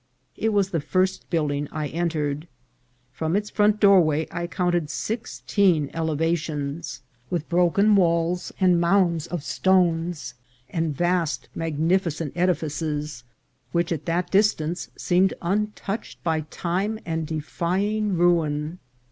It was the first building I entered. From its front doorway I counted sixteen elevations, with broken walls and RUINS OF UXMAL. 421 mounds of stones, and vast, magnificent edifices, which at that distance seemed untouched by time and defying ruin.